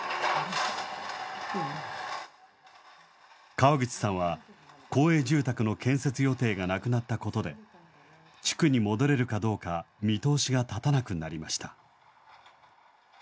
川口さんは、公営住宅の建設予定がなくなったことで、地区に戻れるかどうか見通しが立たなくなりました。